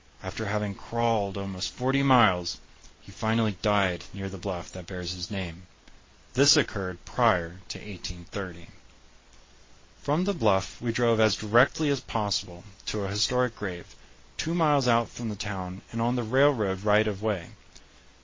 After having crawled almost forty miles, he finally died near the bluff that bears his name. This occurred prior to 1830. From the bluff we drove as directly as possible to a historic grave, two miles out from the town and on the railroad right of way.